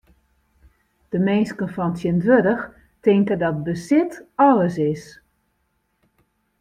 De minsken fan tsjintwurdich tinke dat besit alles is.